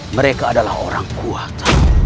mereka adalah orang kuat